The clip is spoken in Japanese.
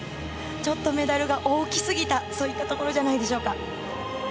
メダルが大きすぎたといったところじゃないでしょうか。